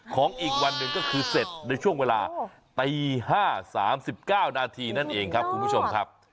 อีกวันหนึ่งก็คือเสร็จในช่วงเวลาตี๕๓๙นาทีนั่นเองครับคุณผู้ชมครับ